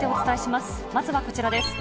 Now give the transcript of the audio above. まずはこちらです。